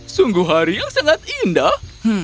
sungguh hari yang sangat indah